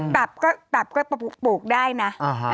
ตับก็ปลูกได้นะ